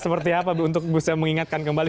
seperti apa untuk saya mengingatkan kembali